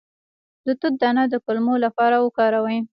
د توت دانه د کولمو لپاره وکاروئ